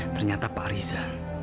ternyata pak riza